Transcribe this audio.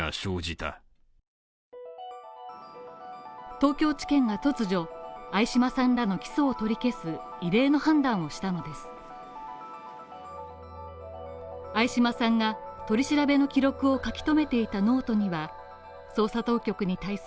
東京地検が突如相嶋さんらの起訴を取り消す異例の判断をしたのです。